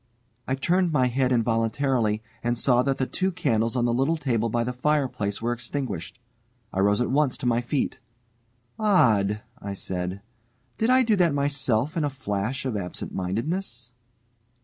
I turned my head involuntarily, and saw that the two candles on the little table by the fireplace were extinguished. I rose at once to my feet. "Odd!" I said. "Did I do that myself in a flash of absent mindedness?"